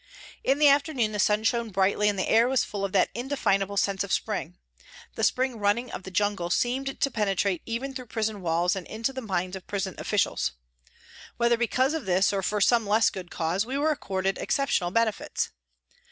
In the afternoon the sun shone brightly and the air was full of that indefinable sense of spring. The " spring running " of the jungle seemed to penetrate 172 PRISONS AND PRISONERS even through prison walls and into the minds of prison officials. Whether because of this or for some less good cause we were accorded exceptional benefits.